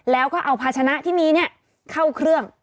แล้วก็เอาภาชนะที่มีเข้าเครื่อง